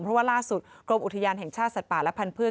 เพราะว่าล่าสุดกรมอุทยานแห่งชาติสัตว์ป่าและพันธุ์